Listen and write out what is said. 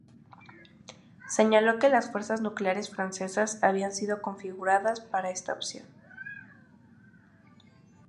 Señaló que las fuerzas nucleares francesas habían sido configuradas para esta opción.